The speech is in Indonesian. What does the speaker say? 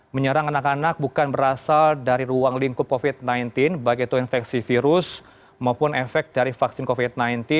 menyerang anak anak bukan berasal dari ruang lingkup covid sembilan belas baik itu infeksi virus maupun efek dari vaksin covid sembilan belas